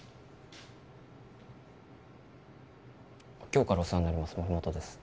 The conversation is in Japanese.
今日からお世話になります森本です